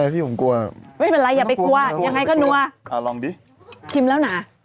ไม่เป็นไรอย่าไปกลัวยังไงก็นั่ว